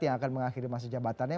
yang akan mengakhiri masa jabatannya